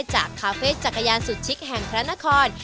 จากคาเฟ่จักรยานสุดชิคแห่งพลานาคอร์น